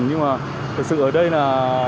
nhưng mà thật sự ở đây là